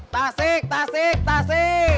tasik tasik tasik